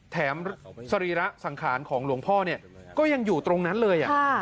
สรีระสังขารของหลวงพ่อเนี่ยก็ยังอยู่ตรงนั้นเลย